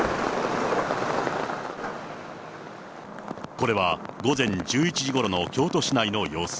これは午前１１時ごろの京都市内の様子。